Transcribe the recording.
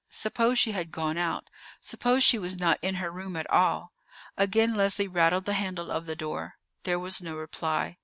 Suppose she had gone out! Suppose she was not in her room at all! Again Leslie rattled the handle of the door. There was no reply.